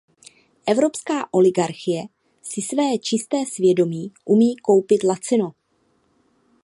Evropská oligarchie si své čisté svědomí umí koupit lacino.